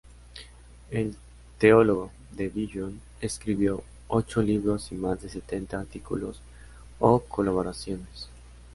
El teólogo de Dijon escribió ocho libros y más de setenta artículos o colaboraciones.